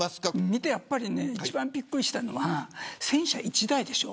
見て一番びっくりしたのは戦車１台でしょ。